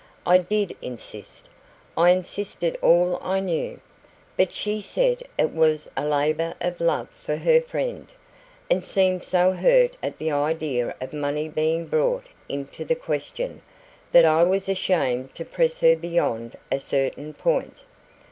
"I did insist. I insisted all I knew. But she said it was a labour of love for her friend, and seemed so hurt at the idea of money being brought into the question, that I was ashamed to press her beyond a certain point.